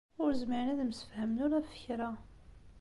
Ur zmiren ad msefhamen ula ɣef kra.